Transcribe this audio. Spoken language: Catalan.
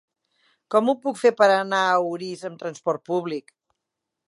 Com ho puc fer per anar a Orís amb trasport públic?